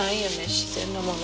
自然のもの。